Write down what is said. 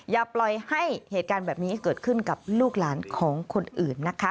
อย่าปล่อยให้เหตุการณ์แบบนี้เกิดขึ้นกับลูกหลานของคนอื่นนะคะ